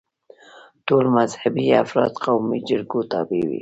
ټول مذهبي افراد قومي جرګو تابع وي.